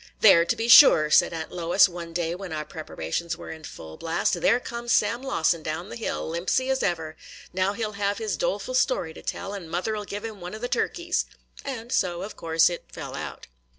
"There, to be sure," said Aunt Lois, one day when our preparations were in full blast, – "there comes Sam Lawson down the hill, limpsy as ever; now he 'll have his doleful story to tell, and mother 'll give him one of the turkeys." And so, of course, it fell out.